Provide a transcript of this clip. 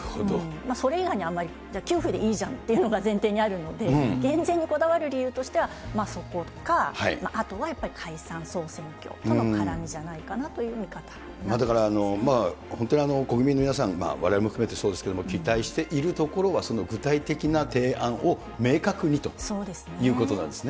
それ以外にあんまり、じゃあ、給付でいいじゃんっていうのが前提にあるので、減税にこだわる理由としてはまあそこか、あとはやっぱり解散・総選挙との絡みじゃないかなという見方ですだから本当に、国民の皆さん、われわれも含めてそうですけど、期待しているところは具体的な提案を明確にということなんですね。